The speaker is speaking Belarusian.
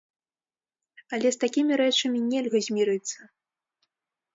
Але з такімі рэчамі нельга змірыцца.